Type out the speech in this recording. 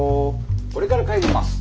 これから帰ります。